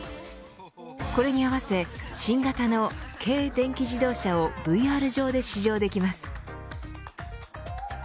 これに合わせ新型の軽電気自動車をＶＲ上で試乗できます。